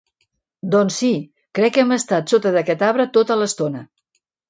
Doncs sí, crec que hem estat sota d'aquest arbre tota l'estona!